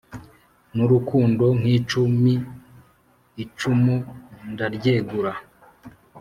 N'urukundo nk'icumi icumu ndaryegura